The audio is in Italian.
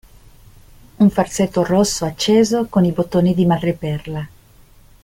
Un farsetto rosso acceso con i bottoni di madreperla.